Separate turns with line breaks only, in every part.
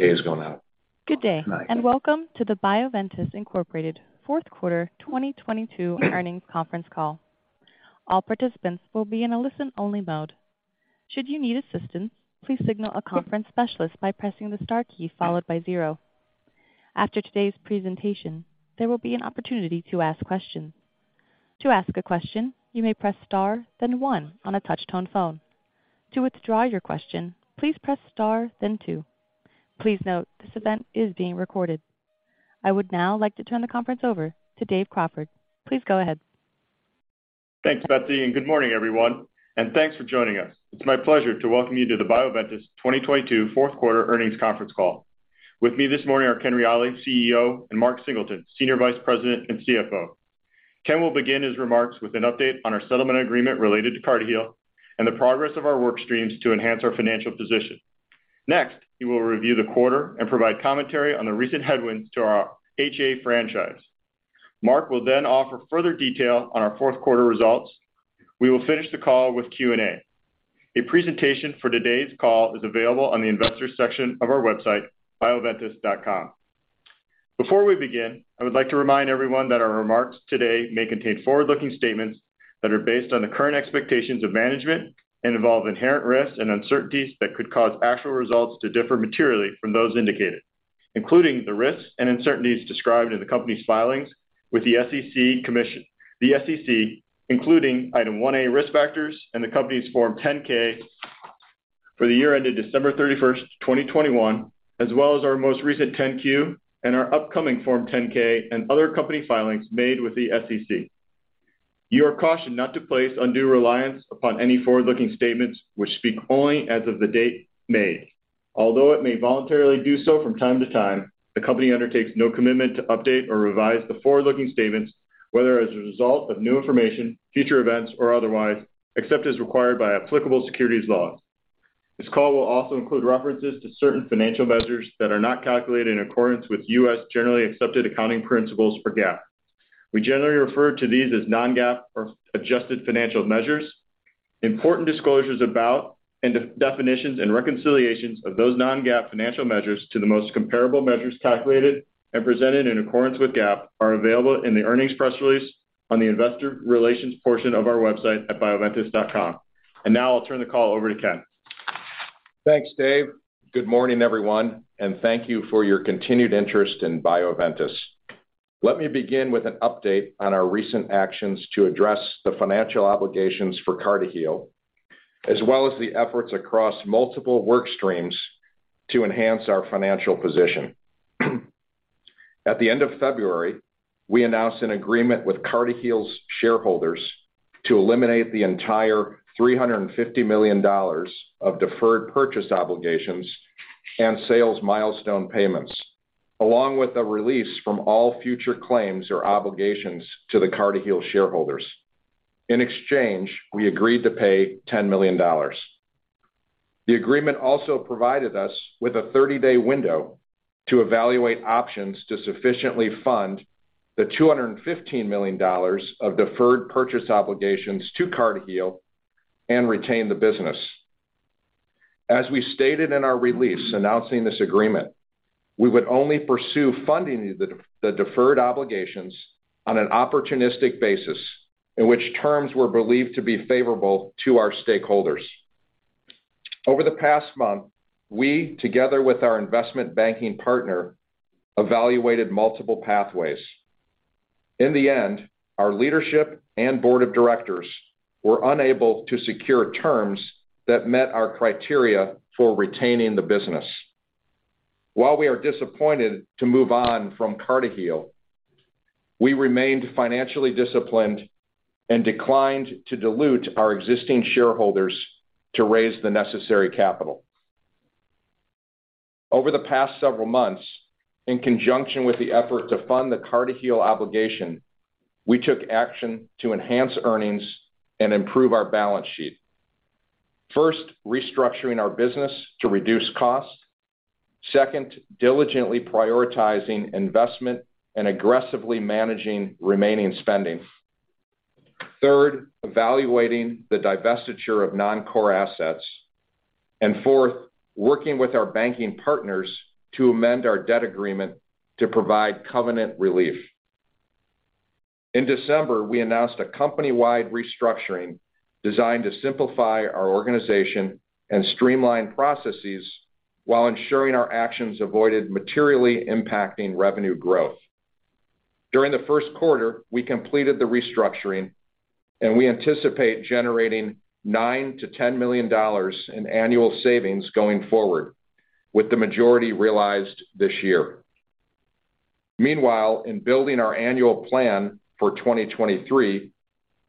Day is going on.
Good day.
Hi
Welcome to the Bioventus Incorporated fourth quarter 2022 earnings conference call. All participants will be in a listen-only mode. Should you need assistance, please signal a conference specialist by pressing the star key followed by zero. After today's presentation, there will be an opportunity to ask questions. To ask a question, you may press Star, then one on a touch-tone phone. To withdraw your question, please press Star, then two. Please note, this event is being recorded. I would now like to turn the conference over to Dave Crawford. Please go ahead.
Thanks, Betsy, good morning, everyone, and thanks for joining us. It's my pleasure to welcome you to the Bioventus 2022 fourth quarter earnings conference call. With me this morning are Ken Reali, CEO, and Mark Singleton, Senior Vice President and CFO. Ken will begin his remarks with an update on our settlement agreement related to CartiHeal and the progress of our work streams to enhance our financial position. Next, he will review the quarter and provide commentary on the recent headwinds to our HA franchise. Mark will offer further detail on our fourth quarter results. We will finish the call with Q&A. A presentation for today's call is available on the Investors section of our website, bioventus.com. Before we begin, I would like to remind everyone that our remarks today may contain forward-looking statements that are based on the current expectations of management and involve inherent risks and uncertainties that could cause actual results to differ materially from those indicated, including the risks and uncertainties described in the company's filings with the SEC, including Item 1A risk factors and the company's Form 10-K for the year ended December 31, 2021, as well as our most recent 10-Q and our upcoming Form 10-K and other company filings made with the SEC. You are cautioned not to place undue reliance upon any forward-looking statements which speak only as of the date made. Although it may voluntarily do so from time to time, the company undertakes no commitment to update or revise the forward-looking statements, whether as a result of new information, future events, or otherwise, except as required by applicable securities laws. This call will also include references to certain financial measures that are not calculated in accordance with U.S. generally accepted accounting principles for GAAP. We generally refer to these as non-GAAP or adjusted financial measures. Important disclosures about and de-definitions and reconciliations of those non-GAAP financial measures to the most comparable measures calculated and presented in accordance with GAAP are available in the earnings press release on the investor relations portion of our website at bioventus.com. Now I'll turn the call over to Ken.
Thanks, Dave. Good morning, everyone, and thank you for your continued interest in Bioventus. Let me begin with an update on our recent actions to address the financial obligations for CartiHeal, as well as the efforts across multiple work streams to enhance our financial position. At the end of February, we announced an agreement with CartiHeal's shareholders to eliminate the entire $350 million of deferred purchase obligations and sales milestone payments, along with a release from all future claims or obligations to the CartiHeal shareholders. In exchange, we agreed to pay $10 million. The agreement also provided us with a 30-day window to evaluate options to sufficiently fund the $215 million of deferred purchase obligations to CartiHeal and retain the business. As we stated in our release announcing this agreement, we would only pursue funding the deferred obligations on an opportunistic basis in which terms were believed to be favorable to our stakeholders. Over the past month, we, together with our investment banking partner, evaluated multiple pathways. In the end, our leadership and board of directors were unable to secure terms that met our criteria for retaining the business. While we are disappointed to move on from CartiHeal, we remained financially disciplined and declined to dilute our existing shareholders to raise the necessary capital. Over the past several months, in conjunction with the effort to fund the CartiHeal obligation, we took action to enhance earnings and improve our balance sheet. First, restructuring our business to reduce costs. Second, diligently prioritizing investment and aggressively managing remaining spending. Third, evaluating the divestiture of non-core assets. Fourth, working with our banking partners to amend our debt agreement to provide covenant relief. In December, we announced a company-wide restructuring designed to simplify our organization and streamline processes while ensuring our actions avoided materially impacting revenue growth. During the first quarter, we completed the restructuring, and we anticipate generating $9 million-$10 million in annual savings going forward, with the majority realized this year. Meanwhile, in building our annual plan for 2023,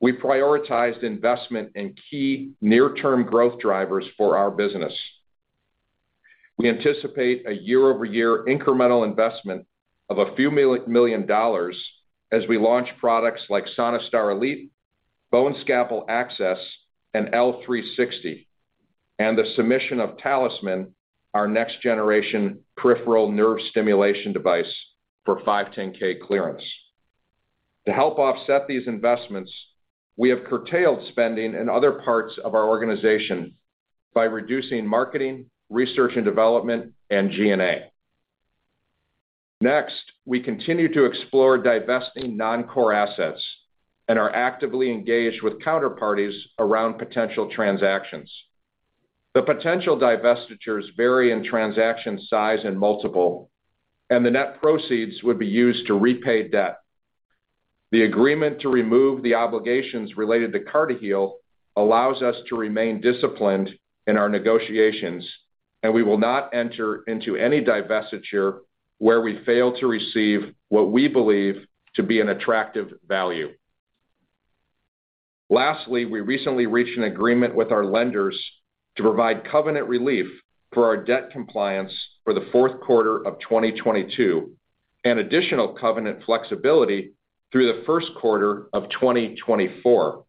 we prioritized investment in key near-term growth drivers for our business. We anticipate a year-over-year incremental investment of a few million dollars as we launch products like SonaStar Elite, BoneScalpel Access, and L360, and the submission of Talisman, our next generation peripheral nerve stimulation device, for 510(k) clearance. To help offset these investments, we have curtailed spending in other parts of our organization by reducing marketing, research and development, and G&A. Next, we continue to explore divesting non-core assets and are actively engaged with counterparties around potential transactions. The potential divestitures vary in transaction size and multiple, and the net proceeds would be used to repay debt. The agreement to remove the obligations related to CartiHeal allows us to remain disciplined in our negotiations, and we will not enter into any divestiture where we fail to receive what we believe to be an attractive value. Lastly, we recently reached an agreement with our lenders to provide covenant relief for our debt compliance for the fourth quarter of 2022 and additional covenant flexibility through the first quarter of 2024.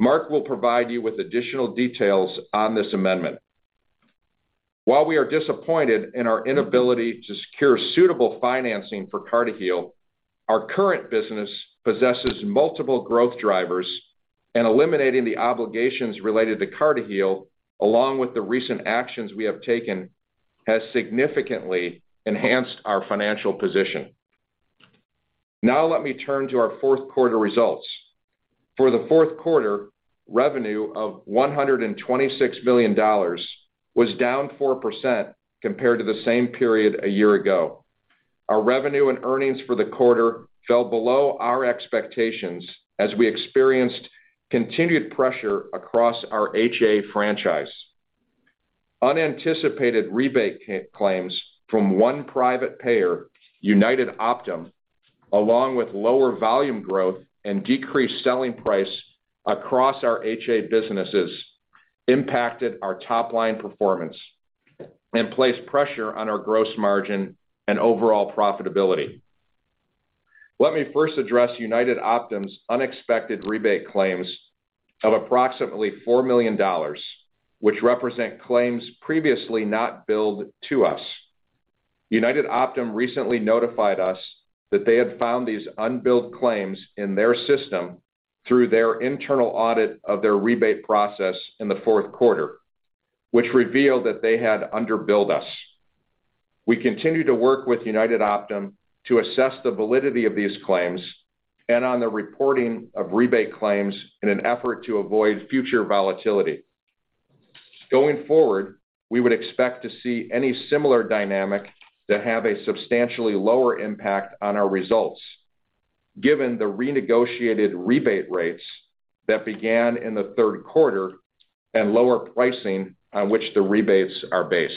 Mark will provide you with additional details on this amendment. While we are disappointed in our inability to secure suitable financing for CartiHeal, our current business possesses multiple growth drivers, eliminating the obligations related to CartiHeal, along with the recent actions we have taken, has significantly enhanced our financial position. Let me turn to our fourth quarter results. For the fourth quarter, revenue of $126 million was down 4% compared to the same period a year ago. Our revenue and earnings for the quarter fell below our expectations as we experienced continued pressure across our HA franchise. Unanticipated rebate claims from one private payer, United Optum, along with lower volume growth and decreased selling price across our HA businesses, impacted our top-line performance and placed pressure on our gross margin and overall profitability. Let me first address United Optum's unexpected rebate claims of approximately $4 million, which represent claims previously not billed to us. United Optum recently notified us that they had found these unbilled claims in their system through their internal audit of their rebate process in the fourth quarter, which revealed that they had under-billed us. We continue to work with United Optum to assess the validity of these claims and on the reporting of rebate claims in an effort to avoid future volatility. Going forward, we would expect to see any similar dynamic to have a substantially lower impact on our results, given the renegotiated rebate rates that began in the third quarter and lower pricing on which the rebates are based.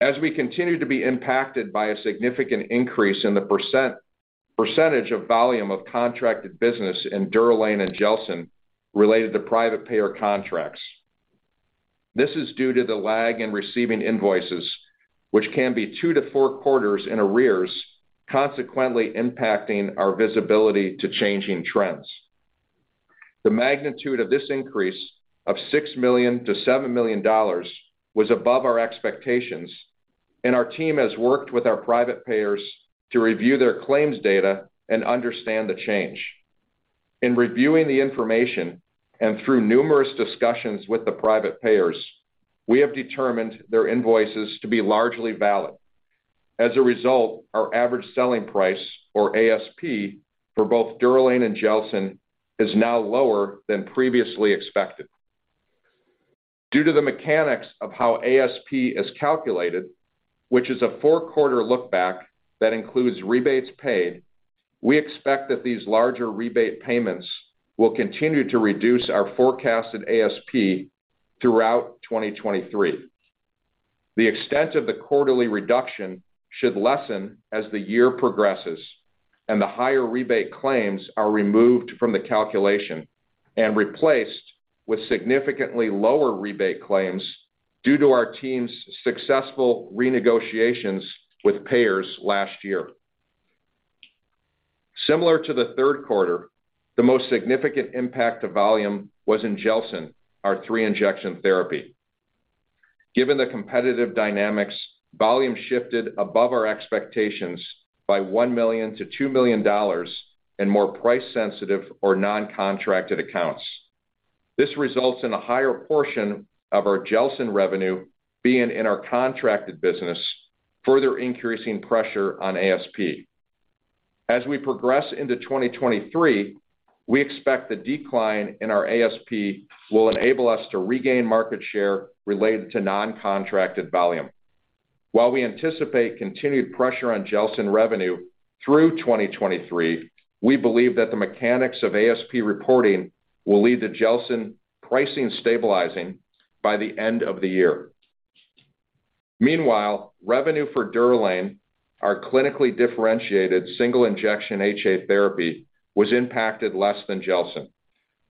As we continue to be impacted by a significant increase in the percentage of volume of contracted business in DUROLANE and GELSYN-3 related to private payer contracts, this is due to the lag in receiving invoices, which can be 2 to 4 quarters in arrears, consequently impacting our visibility to changing trends. The magnitude of this increase of $6 million-$7 million was above our expectations, and our team has worked with our private payers to review their claims data and understand the change. In reviewing the information and through numerous discussions with the private payers, we have determined their invoices to be largely valid. As a result, our average selling price, or ASP, for both DUROLANE and GELSYN-3 is now lower than previously expected. Due to the mechanics of how ASP is calculated, which is a 4-quarter look-back that includes rebates paid, we expect that these larger rebate payments will continue to reduce our forecasted ASP throughout 2023. The extent of the quarterly reduction should lessen as the year progresses and the higher rebate claims are removed from the calculation and replaced with significantly lower rebate claims due to our team's successful renegotiations with payers last year. Similar to the third quarter, the most significant impact to volume was in GELSYN-3, our three-injection therapy. Given the competitive dynamics, volume shifted above our expectations by $1 million-$2 million in more price-sensitive or non-contracted accounts. This results in a higher portion of our GELSYN-3 revenue being in our contracted business, further increasing pressure on ASP. As we progress into 2023, we expect the decline in our ASP will enable us to regain market share related to non-contracted volume. While we anticipate continued pressure on GELSYN-3 revenue through 2023, we believe that the mechanics of ASP reporting will lead to GELSYN-3 pricing stabilizing by the end of the year. Meanwhile, revenue for DUROLANE, our clinically differentiated single-injection HA therapy, was impacted less than GELSYN-3.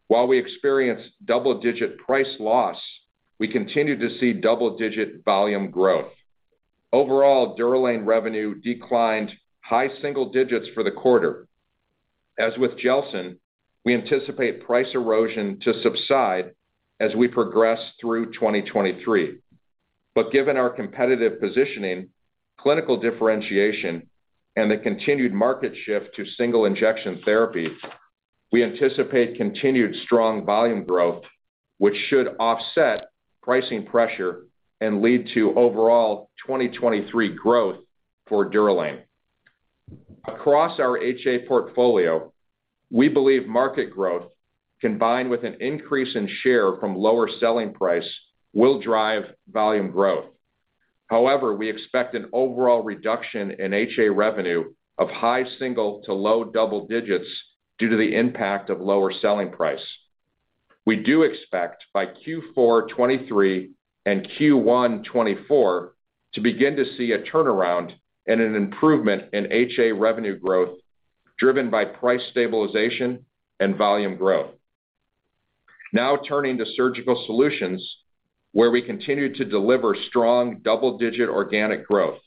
While we experienced double-digit price loss, we continue to see double-digit volume growth. Overall, DUROLANE revenue declined high single digits for the quarter. As with GELSYN-3, we anticipate price erosion to subside as we progress through 2023. Given our competitive positioning, clinical differentiation, and the continued market shift to single-injection therapy, we anticipate continued strong volume growth, which should offset pricing pressure and lead to overall 2023 growth for DUROLANE. Across our HA portfolio, we believe market growth, combined with an increase in share from lower selling price, will drive volume growth. We expect an overall reduction in HA revenue of high single- to low double-digits due to the impact of lower selling price. We do expect by Q4 2023 and Q1 2024 to begin to see a turnaround and an improvement in HA revenue growth, driven by price stabilization and volume growth. Turning to Surgical Solutions, where we continue to deliver strong double-digit organic growth.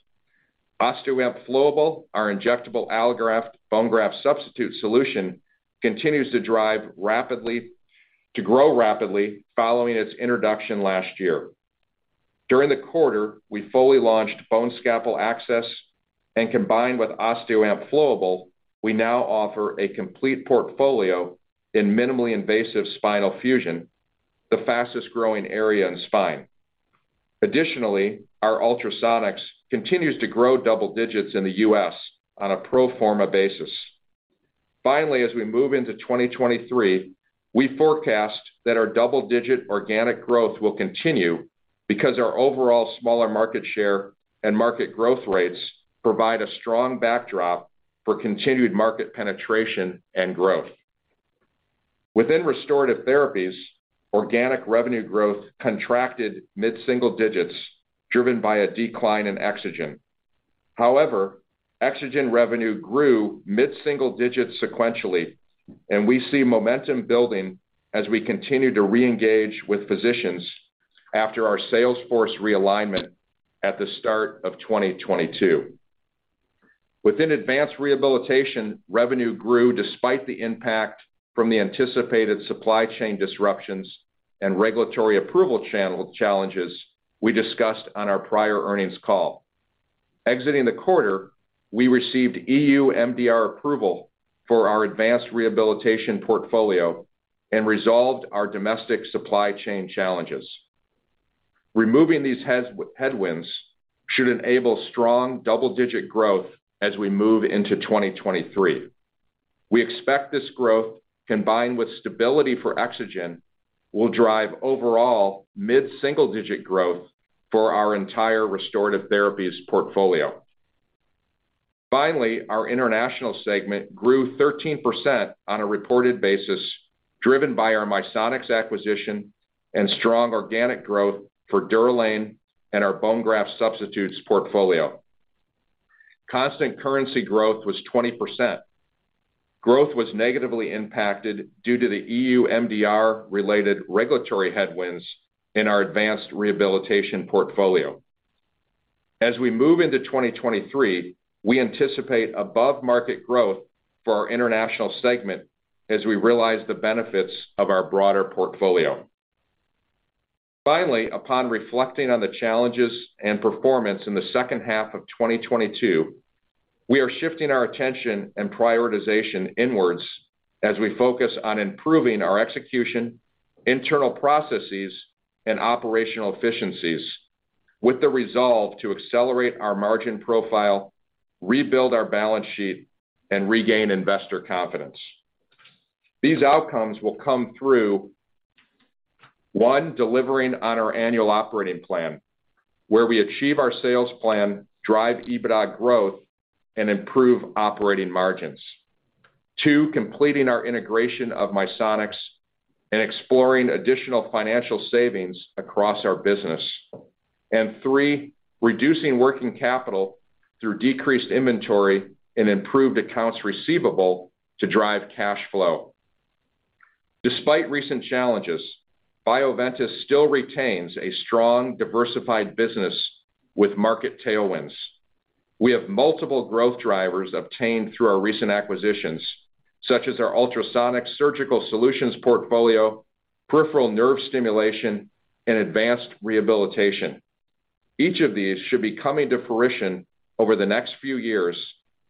OsteoAMP Flowable, our injectable allograft bone graft substitute solution, continues to grow rapidly following its introduction last year. During the quarter, we fully launched Bone Scalpel Access, and combined with OsteoAMP Flowable, we now offer a complete portfolio in minimally invasive spinal fusion, the fastest-growing area in spine. Additionally, our Ultrasonics continues to grow double digits in the U.S. on a pro forma basis. As we move into 2023, we forecast that our double-digit organic growth will continue because our overall smaller market share and market growth rates provide a strong backdrop for continued market penetration and growth. Within Restorative Therapies, organic revenue growth contracted mid-single digits, driven by a decline in EXOGEN. EXOGEN revenue grew mid-single digits sequentially, and we see momentum building as we continue to reengage with physicians after our sales force realignment at the start of 2022. Within Advanced Rehabilitation, revenue grew despite the impact from the anticipated supply chain disruptions and regulatory approval channel challenges we discussed on our prior earnings call. Exiting the quarter, we received EU MDR approval for our Advanced Rehabilitation portfolio and resolved our domestic supply chain challenges. Removing these headwinds should enable strong double-digit growth as we move into 2023. We expect this growth, combined with stability for EXOGEN, will drive overall mid-single-digit growth for our entire Restorative Therapies portfolio. Finally, our international segment grew 13% on a reported basis, driven by our Misonix acquisition and strong organic growth for DUROLANE and our bone graft substitutes portfolio. Constant currency growth was 20%. Growth was negatively impacted due to the EU MDR-related regulatory headwinds in our Advanced Rehabilitation portfolio. As we move into 2023, we anticipate above-market growth for our international segment as we realize the benefits of our broader portfolio. Finally, upon reflecting on the challenges and performance in the second half of 2022, we are shifting our attention and prioritization inwards as we focus on improving our execution, internal processes, and operational efficiencies with the resolve to accelerate our margin profile, rebuild our balance sheet, and regain investor confidence. These outcomes will come through: One, delivering on our annual operating plan, where we achieve our sales plan, drive EBITDA growth, and improve operating margins. Two, completing our integration of Misonix and exploring additional financial savings across our business. And three, reducing working capital through decreased inventory and improved accounts receivable to drive cash flow. Despite recent challenges, Bioventus still retains a strong, diversified business with market tailwinds. We have multiple growth drivers obtained through our recent acquisitions, such as our Ultrasonic Surgical Solutions portfolio, peripheral nerve stimulation, and Advanced Rehabilitation. Each of these should be coming to fruition over the next few years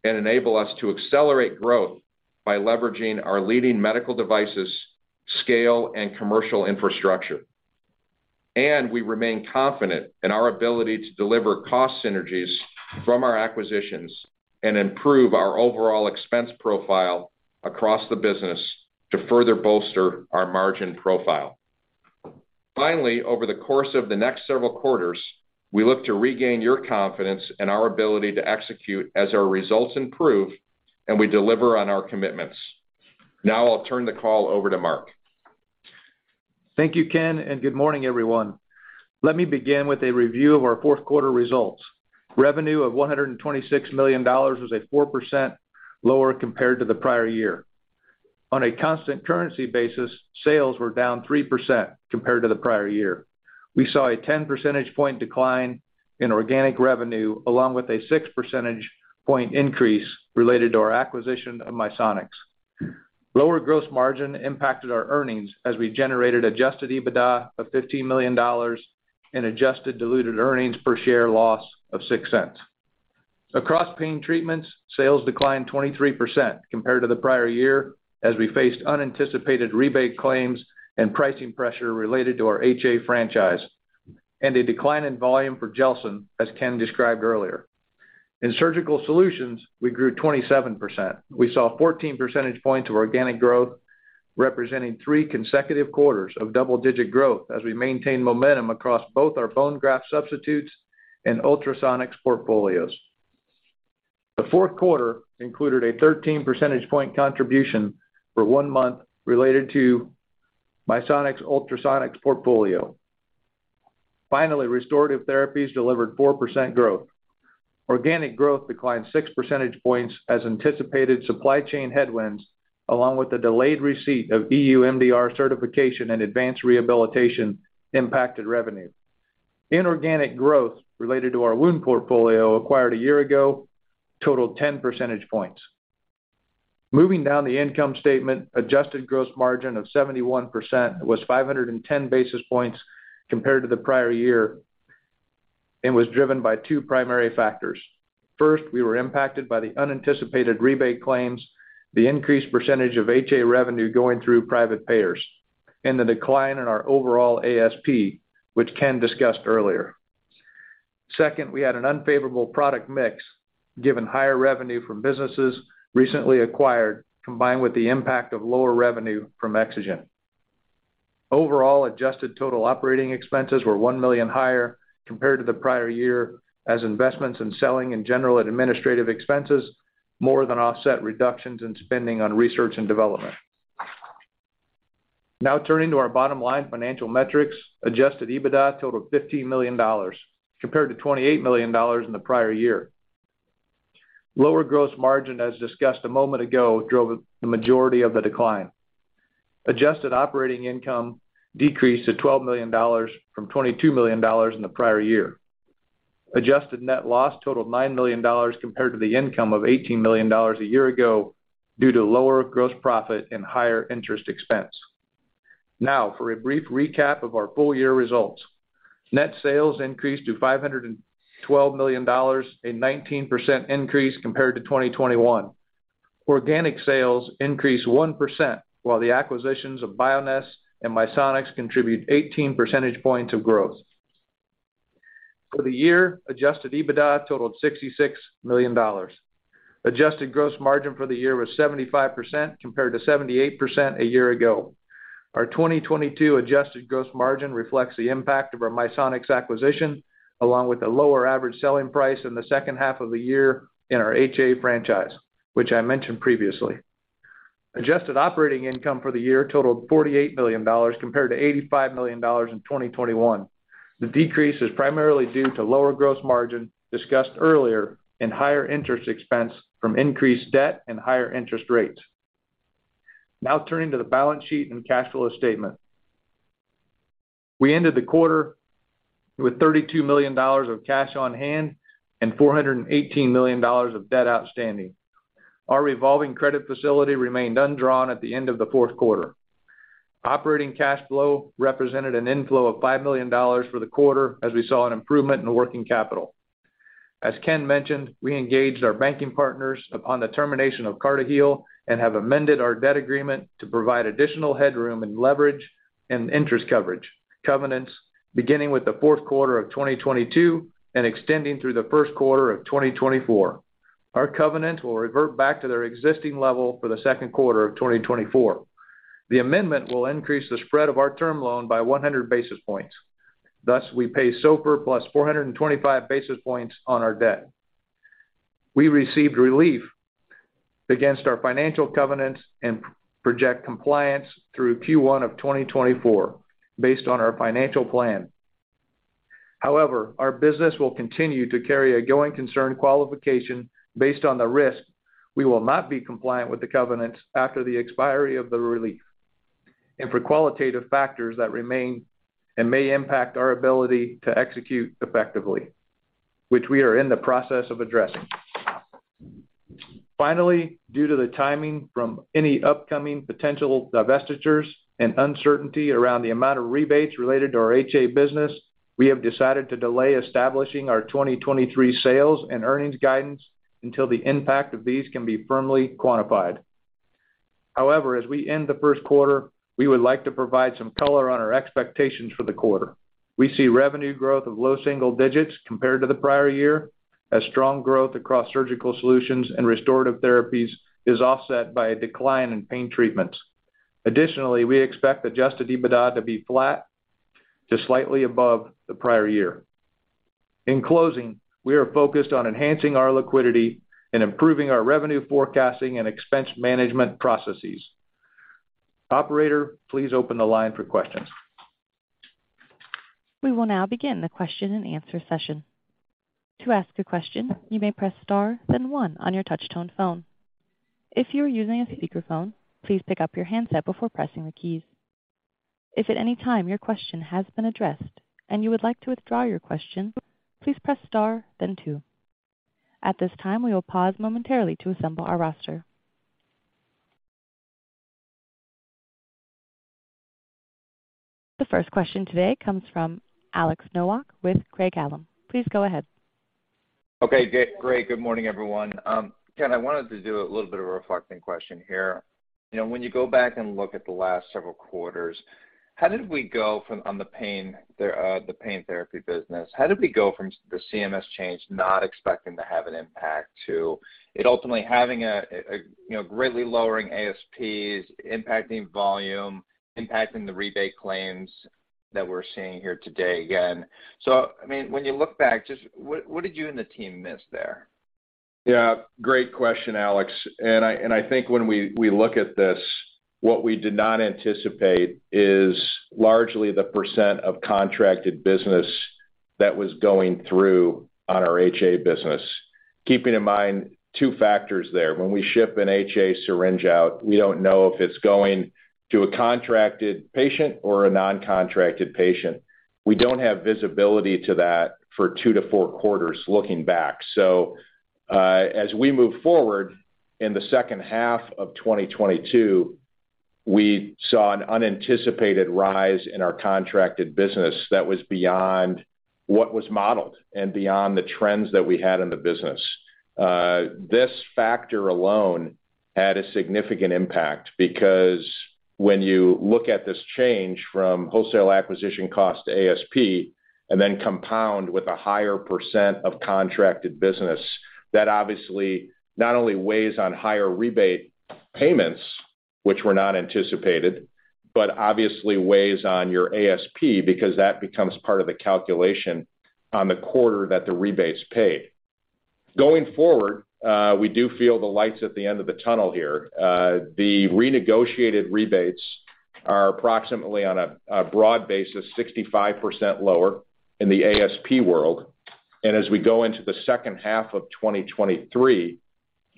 and enable us to accelerate growth by leveraging our leading medical devices, scale, and commercial infrastructure. We remain confident in our ability to deliver cost synergies from our acquisitions and improve our overall expense profile across the business to further bolster our margin profile. Finally, over the course of the next several quarters, we look to regain your confidence in our ability to execute as our results improve and we deliver on our commitments. Now I'll turn the call over to Mark.
Thank you, Ken. Good morning, everyone. Let me begin with a review of our fourth quarter results. Revenue of $126 million was 4% lower compared to the prior year. On a constant currency basis, sales were down 3% compared to the prior year. We saw a 10 percentage point decline in organic revenue, along with a 6 percentage point increase related to our acquisition of Misonix. Lower gross margin impacted our earnings as we generated adjusted EBITDA of $15 million and adjusted diluted earnings per share loss of $0.06. Across Pain Treatments, sales declined 23% compared to the prior year as we faced unanticipated rebate claims and pricing pressure related to our HA franchise, and a decline in volume for GELSYN-3, as Ken described earlier. In Surgical Solutions, we grew 27%. We saw 14 percentage points of organic growth, representing three consecutive quarters of double-digit growth as we maintain momentum across both our bone graft substitutes and Ultrasonics portfolios. The fourth quarter included a 13 percentage point contribution for one month related to Misonix Ultrasonics portfolio. Finally, Restorative Therapies delivered 4% growth. Organic growth declined six percentage points as anticipated supply chain headwinds, along with the delayed receipt of EU MDR certification and Advanced Rehabilitation impacted revenue. Inorganic growth related to our wound portfolio acquired a year ago totaled 10 percentage points. Moving down the income statement, adjusted gross margin of 71% was 510 basis points compared to the prior year, and was driven by two primary factors. We were impacted by the unanticipated rebate claims, the increased percentage of HA revenue going through private payers, and the decline in our overall ASP, which Ken discussed earlier. We had an unfavorable product mix given higher revenue from businesses recently acquired, combined with the impact of lower revenue from EXOGEN. Adjusted total operating expenses were $1 million higher compared to the prior year as investments in selling and general administrative expenses more than offset reductions in spending on research and development. Turning to our bottom line financial metrics. Adjusted EBITDA totaled $15 million compared to $28 million in the prior year. Lower gross margin, as discussed a moment ago, drove the majority of the decline. Adjusted operating income decreased to $12 million from $22 million in the prior year. Adjusted net loss totaled $9 million compared to the income of $18 million a year ago due to lower gross profit and higher interest expense. For a brief recap of our full year results. Net sales increased to $512 million, a 19% increase compared to 2021. Organic sales increased 1%, while the acquisitions of Bioness and Misonix contribute 18 percentage points of growth. For the year, adjusted EBITDA totaled $66 million. Adjusted gross margin for the year was 75% compared to 78% a year ago. Our 2022 adjusted gross margin reflects the impact of our Misonix acquisition, along with a lower average selling price in the second half of the year in our HA franchise, which I mentioned previously. Adjusted operating income for the year totaled $48 million compared to $85 million in 2021. The decrease is primarily due to lower gross margin discussed earlier and higher interest expense from increased debt and higher interest rates. Turning to the balance sheet and cash flow statement. We ended the quarter with $32 million of cash on hand and $418 million of debt outstanding. Our revolving credit facility remained undrawn at the end of the fourth quarter. Operating cash flow represented an inflow of $5 million for the quarter as we saw an improvement in working capital. As Ken mentioned, we engaged our banking partners upon the termination of CartiHeal and have amended our debt agreement to provide additional headroom and leverage and interest coverage covenants beginning with the fourth quarter of 2022 and extending through the first quarter of 2024. Our covenant will revert back to their existing level for the second quarter of 2024. The amendment will increase the spread of our term loan by 100 basis points. Thus, we pay SOFR plus 425 basis points on our debt. We received relief against our financial covenants and project compliance through Q1 of 2024 based on our financial plan. However, our business will continue to carry a going concern qualification based on the risk we will not be compliant with the covenants after the expiry of the relief, and for qualitative factors that remain and may impact our ability to execute effectively, which we are in the process of addressing. Finally, due to the timing from any upcoming potential divestitures and uncertainty around the amount of rebates related to our HA business, we have decided to delay establishing our 2023 sales and earnings guidance until the impact of these can be firmly quantified. However, as we end the first quarter, we would like to provide some color on our expectations for the quarter. We see revenue growth of low single digits compared to the prior year, as strong growth across Surgical Solutions and Restorative Therapies is offset by a decline in Pain Treatments. Additionally, we expect adjusted EBITDA to be flat to slightly above the prior year. In closing, we are focused on enhancing our liquidity and improving our revenue forecasting and expense management processes. Operator, please open the line for questions.
We will now begin the question-and-answer session. To ask a question, you may press star then one on your touch tone phone. If you are using a speakerphone, please pick up your handset before pressing the keys. If at any time your question has been addressed and you would like to withdraw your question, please press Star then two. At this time, we will pause momentarily to assemble our roster. The first question today comes from Alex Nowak with Craig-Hallum. Please go ahead.
Okay, great. Good morning, everyone. Ken, I wanted to do a little bit of a reflecting question here. You know, when you go back and look at the last several quarters, how did we go from on the pain, the pain therapy business? How did we go from the CMS change, not expecting to have an impact to it ultimately having a, you know, greatly lowering ASPs, impacting volume, impacting the rebate claims that we're seeing here today again. I mean, when you look back, just what did you and the team miss there?
Yeah, great question, Alex. I think when we look at this, what we did not anticipate is largely the percent of contracted business that was going through on our HA business. Keeping in mind two factors there. When we ship an HA syringe out, we don't know if it's going to a contracted patient or a non-contracted patient. We don't have visibility to that for 2-4 quarters looking back. As we move forward in the second half of 2022, we saw an unanticipated rise in our contracted business that was beyond what was modeled and beyond the trends that we had in the business. This factor alone had a significant impact because when you look at this change from wholesale acquisition cost to ASP and then compound with a higher percent of contracted business, that obviously not only weighs on higher rebate payments, which were not anticipated, but obviously weighs on your ASP because that becomes part of the calculation on the quarter that the rebates paid. Going forward, we do feel the lights at the end of the tunnel here. The renegotiated rebates are approximately on a broad basis, 65% lower in the ASP world. As we go into the second half of 2023,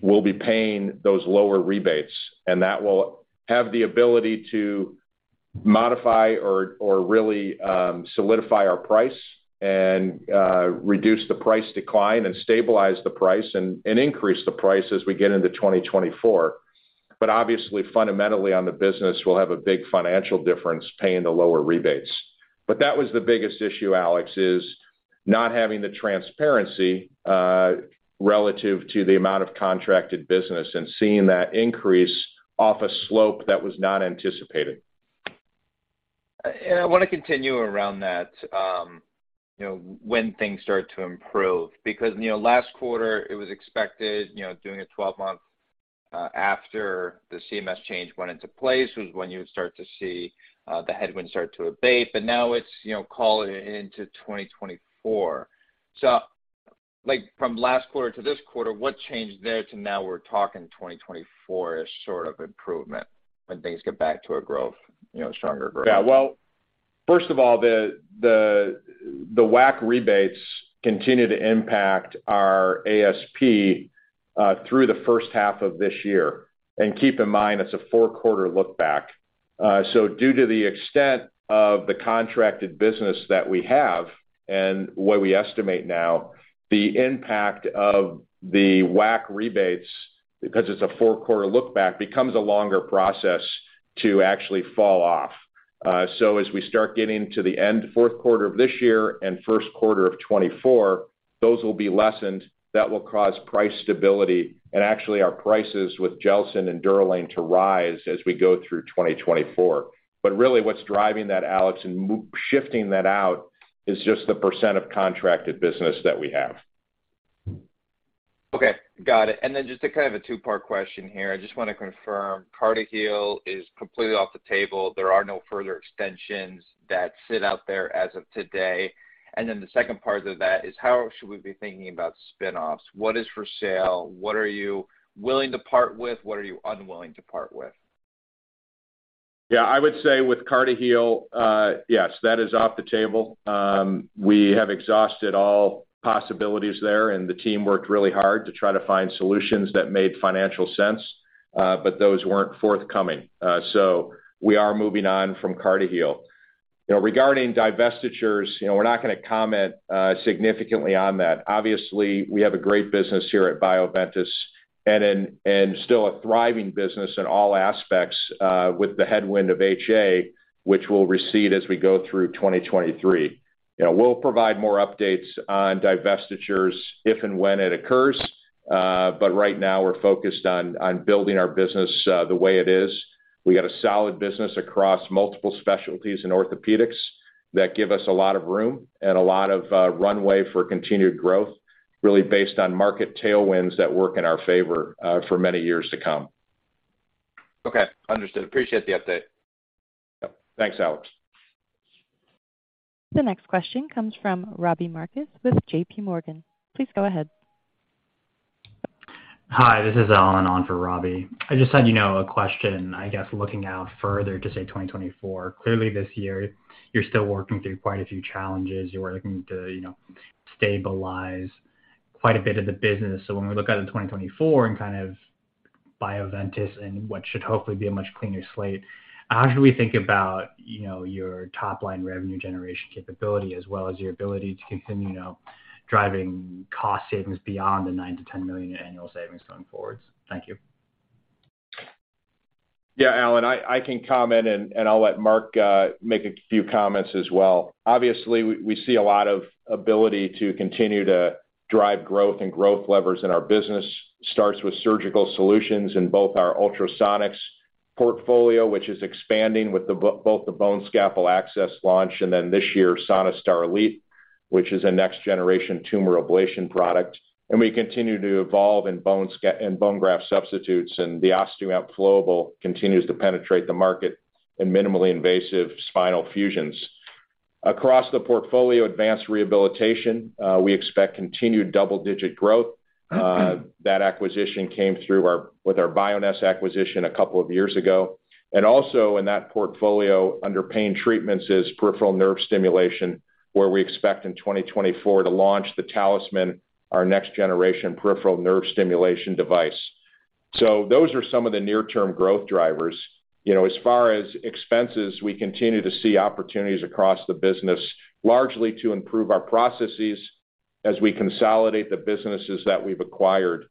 we'll be paying those lower rebates, and that will have the ability to modify or really, solidify our price and reduce the price decline and stabilize the price and increase the price as we get into 2024. Obviously, fundamentally on the business, we'll have a big financial difference paying the lower rebates. That was the biggest issue, Alex, is not having the transparency relative to the amount of contracted business and seeing that increase off a slope that was not anticipated.
I want to continue around that, you know, when things start to improve. You know, last quarter it was expected, you know, doing a 12-month after the CMS change went into place was when you would start to see the headwinds start to abate. Now it's, you know, calling into 2024. Like from last quarter to this quarter, what changed there to now we're talking 2024-ish sort of improvement when things get back to a growth, you know, stronger growth?
Yeah. Well, first of all, the WAC rebates continue to impact our ASP through the first half of this year. Keep in mind, it's a four-quarter look back. Due to the extent of the contracted business that we have and what we estimate now, the impact of the WAC rebates, because it's a four-quarter look back, becomes a longer process to actually fall off. As we start getting to the end fourth quarter of this year and first quarter of 2024, those will be lessened. That will cause price stability and actually our prices with GELSYN-3 and DUROLANE to rise as we go through 2024. Really what's driving that, Alex, and shifting that out is just the % of contracted business that we have.
Okay, got it. Just a kind of a two-part question here. I just want to confirm, CartiHeal is completely off the table. There are no further extensions that sit out there as of today. The second part of that is how should we be thinking about spinoffs? What is for sale? What are you willing to part with? What are you unwilling to part with?
Yeah, I would say with CartiHeal, yes, that is off the table. We have exhausted all possibilities there, and the team worked really hard to try to find solutions that made financial sense, but those weren't forthcoming. We are moving on from CartiHeal. You know, regarding divestitures, you know, we're not gonna comment significantly on that. Obviously, we have a great business here at Bioventus and still a thriving business in all aspects, with the headwind of HA, which will recede as we go through 2023. You know, we'll provide more updates on divestitures if and when it occurs. Right now we're focused on building our business the way it is. We got a solid business across multiple specialties in orthopedics that give us a lot of room and a lot of runway for continued growth, really based on market tailwinds that work in our favor for many years to come.
Okay, understood. Appreciate the update.
Yeah. Thanks, Alex.
The next question comes from Robbie Marcus with JP Morgan. Please go ahead.
Hi, this is Allen on for Robbie. I just had, you know, a question, I guess, looking out further to, say, 2024. Clearly, this year you're still working through quite a few challenges. You're working to, you know, stabilize quite a bit of the business. When we look out in 2024 and kind of Bioventus and what should hopefully be a much cleaner slate, how should we think about, you know, your top-line revenue generation capability as well as your ability to continue, you know, driving cost savings beyond the $9 million-$10 million annual savings going forwards? Thank you.
Yeah, Allen, I can comment, and I'll let Mark make a few comments as well. Obviously, we see a lot of ability to continue to drive growth and growth levers in our business. Starts with Surgical Solutions in both our Ultrasonics portfolio, which is expanding with both the Bone Scalpel Access launch and then this year, SonaStar Elite, which is a next-generation tumor ablation product. We continue to evolve in bone graft substitutes, and the OsteoAMP Flowable continues to penetrate the market in minimally invasive spinal fusions. Across the portfolio Advanced Rehabilitation, we expect continued double-digit growth. That acquisition came through with our Bioness acquisition a couple of years ago. Also in that portfolio, under Pain Treatments, is peripheral nerve stimulation, where we expect in 2024 to launch the Talisman, our next-generation peripheral nerve stimulation device. Those are some of the near-term growth drivers. You know, as far as expenses, we continue to see opportunities across the business, largely to improve our processes as we consolidate the businesses that we've acquired.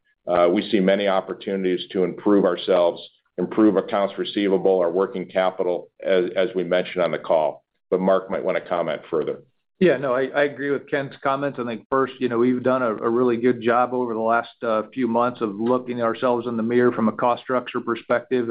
We see many opportunities to improve ourselves, improve accounts receivable, our working capital, as we mentioned on the call. Mark might wanna comment further.
Yeah, no, I agree with Ken's comments. I think first, you know, we've done a really good job over the last few months of looking at ourselves in the mirror from a cost structure perspective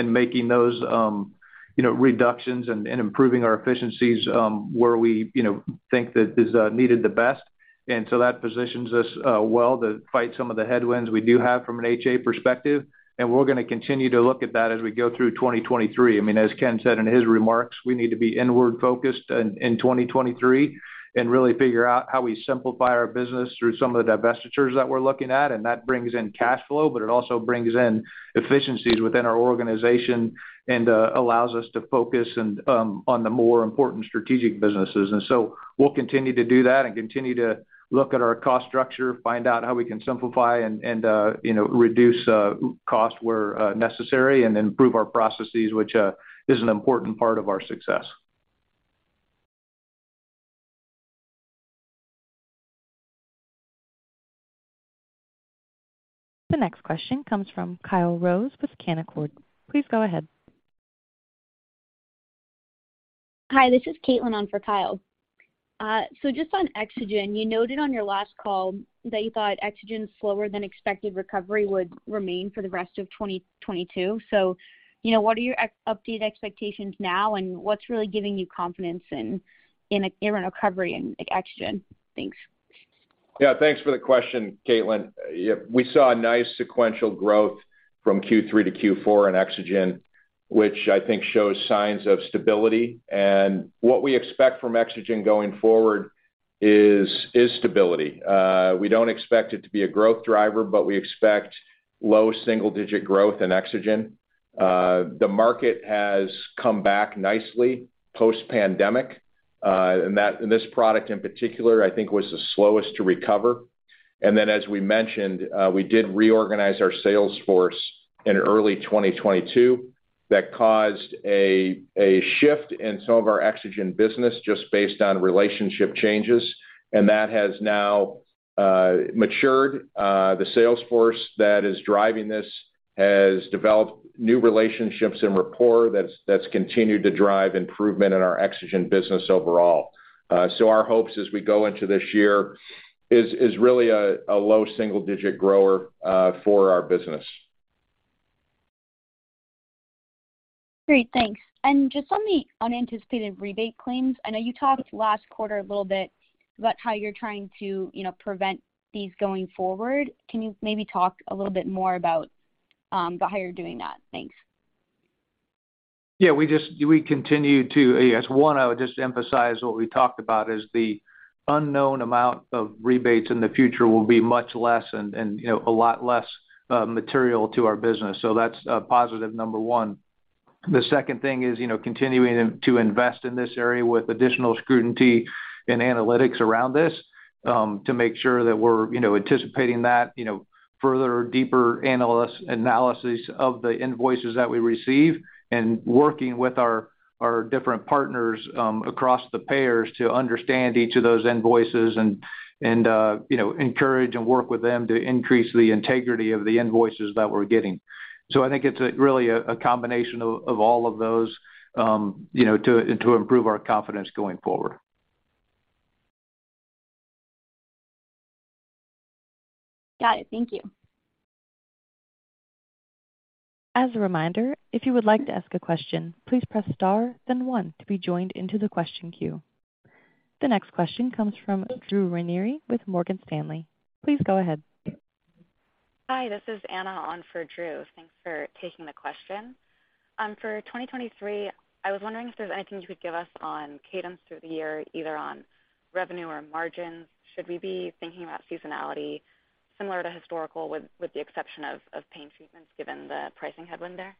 and making those, you know, reductions and improving our efficiencies where we, you know, think that is needed the best. That positions us well to fight some of the headwinds we do have from an HA perspective, and we're gonna continue to look at that as we go through 2023. I mean, as Ken said in his remarks, we need to be inward-focused in 2023 and really figure out how we simplify our business through some of the divestitures that we're looking at. That brings in cash flow, but it also brings in efficiencies within our organization and allows us to focus, on the more important strategic businesses. We'll continue to do that and continue to look at our cost structure, find out how we can simplify and, you know, reduce cost where necessary and improve our processes, which is an important part of our success.
The next question comes from Kyle Rose with Canaccord. Please go ahead.
Hi, this is Caitlin on for Kyle. Just on EXOGEN, you noted on your last call that you thought EXOGEN's slower-than-expected recovery would remain for the rest of 2022. You know, what are your updated expectations now, and what's really giving you confidence in a recovery in, like, EXOGEN? Thanks.
Thanks for the question, Caitlin. We saw a nice sequential growth from Q3 to Q4 in EXOGEN, which I think shows signs of stability. What we expect from EXOGEN going forward is stability. We don't expect it to be a growth driver, but we expect low single-digit growth in EXOGEN. The market has come back nicely post-pandemic. This product in particular I think was the slowest to recover. As we mentioned, we did reorganize our sales force in early 2022. That caused a shift in some of our EXOGEN business just based on relationship changes, and that has now matured. The sales force that is driving this has developed new relationships and rapport that's continued to drive improvement in our EXOGEN business overall. Our hopes as we go into this year is really a low single-digit grower for our business.
Great. Thanks. Just on the unanticipated rebate claims, I know you talked last quarter a little bit about how you're trying to, you know, prevent these going forward. Can you maybe talk a little bit more about how you're doing that? Thanks.
Yeah, We continue to, as, one, I would just emphasize what we talked about is the unknown amount of rebates in the future will be much less and, you know, a lot less material to our business. That's positive number one. The second thing is, you know, continuing to invest in this area with additional scrutiny and analytics around this, to make sure that we're, you know, anticipating that, you know, further deeper analysis of the invoices that we receive and working with our different partners, across the payers to understand each of those invoices and, you know, encourage and work with them to increase the integrity of the invoices that we're getting. I think it's really a combination of all of those, you know, and to improve our confidence going forward.
Got it. Thank you.
As a reminder, if you would like to ask a question, please press star then one to be joined into the question queue. The next question comes from Drew Renieri with Morgan Stanley. Please go ahead.
Hi, this is Anna on for Drew. Thanks for taking the question. For 2023, I was wondering if there's anything you could give us on cadence through the year, either on revenue or margins. Should we be thinking about seasonality similar to historical with the exception of Pain Treatments, given the pricing headwind there?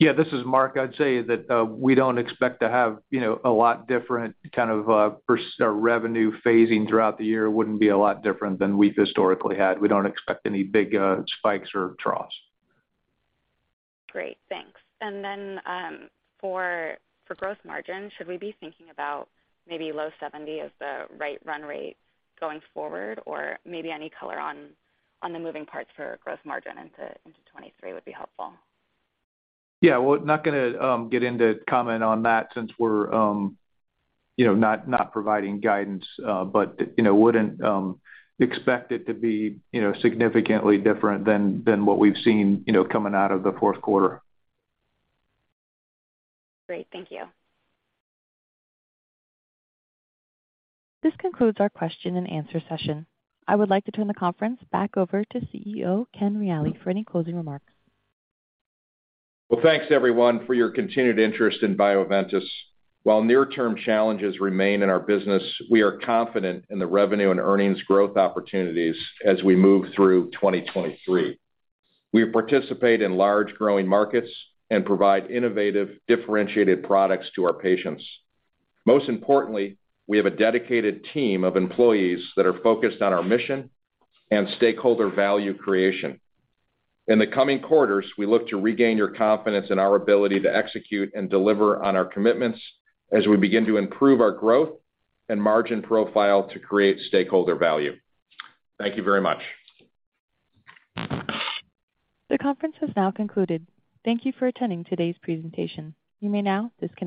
Yeah, this is Mark. I'd say that we don't expect to have, you know, a lot different kind of, purse, revenue phasing throughout the year. Wouldn't be a lot different than we've historically had. We don't expect any big, spikes or troughs.
Great. Thanks. For growth margin, should we be thinking about maybe low 70% as the right run rate going forward? Maybe any color on the moving parts for growth margin into 2023 would be helpful.
Yeah. We're not gonna get into comment on that since we're, you know, not providing guidance, but, you know, wouldn't expect it to be, you know, significantly different than what we've seen, you know, coming out of the fourth quarter.
Great. Thank you.
This concludes our question-and-answer session. I would like to turn the conference back over to CEO Ken Reali for any closing remarks.
Well, thanks everyone for your continued interest in Bioventus. While near-term challenges remain in our business, we are confident in the revenue and earnings growth opportunities as we move through 2023. We participate in large growing markets and provide innovative, differentiated products to our patients. Most importantly, we have a dedicated team of employees that are focused on our mission and stakeholder value creation. In the coming quarters, we look to regain your confidence in our ability to execute and deliver on our commitments as we begin to improve our growth and margin profile to create stakeholder value. Thank you very much.
The conference has now concluded. Thank you for attending today's presentation. You may now disconnect.